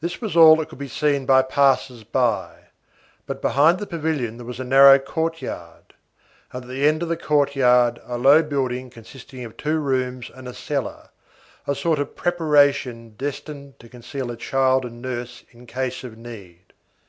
This was all that could be seen by passers by; but behind the pavilion there was a narrow courtyard, and at the end of the courtyard a low building consisting of two rooms and a cellar, a sort of preparation destined to conceal a child and nurse in case of need.